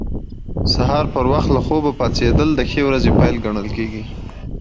Harris is often considered among the best and most influential heavy metal bassists.